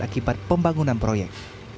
akibat pembangunan proyek